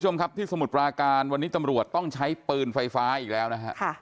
ทุกชีวิตคุณผู้ชมครับที่สมุดปราการวันนี้ตำรวจต้องใช้ปืนไฟฟ้าอีกแล้วน่ะครับ